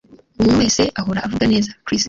Umuntu wese ahora avuga neza Chris